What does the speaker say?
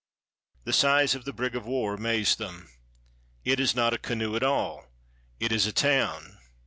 The size of the brig of war amazed them. "It is not a canoe at all; it is a town!"